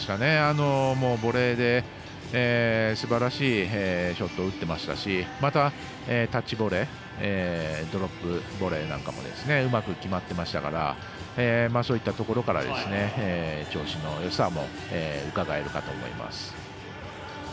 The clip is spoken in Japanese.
ボレーですばらしいショットを打っていましたしタッチボレーやドロップボレーなんかもうまく決まってましたからそういったところから調子のよさも伺えます。